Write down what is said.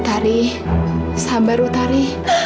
utari sabar utari